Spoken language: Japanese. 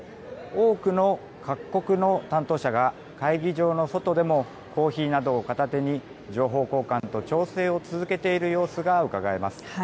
多くの各国の担当者が会議場の外でもコーヒーなどを片手に情報交換と調整を続けている様子がうかがえます。